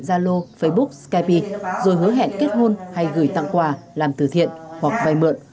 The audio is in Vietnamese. gia lô facebook skype rồi hứa hẹn kết hôn hay gửi tặng quà làm từ thiện hoặc vai mượn